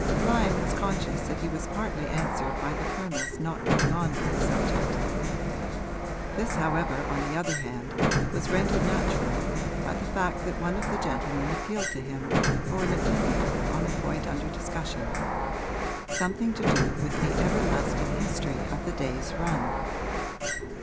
Lyon was conscious that he was partly answered by the Colonel's not going on with the subject. This however on the other hand was rendered natural by the fact that one of the gentlemen appealed to him for an opinion on a point under discussion, something to do with the everlasting history of the day's run.